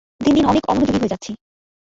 দিন দিন অনেক অমনোযোগি হয়ে যাচ্ছি।